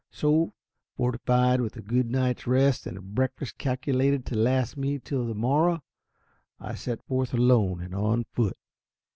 So, fortified with a good night's rest, and a breakfast calculated to last me till the morrow, I set forth alone and on foot.